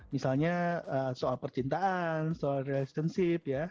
misalnya soal percintaan soal relationship ya